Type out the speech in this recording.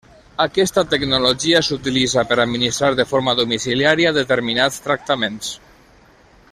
Aquesta tecnologia s'utilitza per administrar de forma domiciliària determinats tractaments.